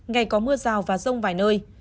ngày có mưa rào và rông vài nơi